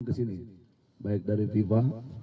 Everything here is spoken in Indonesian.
kesini baik dari viva